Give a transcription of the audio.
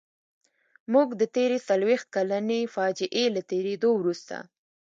موږ د تېرې څلويښت کلنې فاجعې له تېرېدو وروسته.